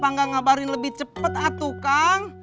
saya juga gak ngabarin lebih cepet atuh kang